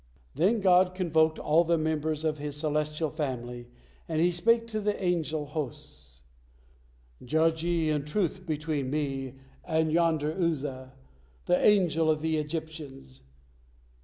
Then God convoked all the members of His celestial family, and He spake to the angel hosts: "Judge ye in truth between Me and yonder Uzza, the Angel of the Egyptians.